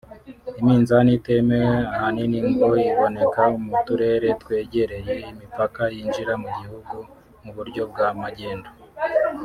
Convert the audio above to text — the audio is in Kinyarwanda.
Iminzani itemewe ahanini ngo iboneka mu turere twegereye imipaka yinjira mu gihugu mu buryo bwa magendu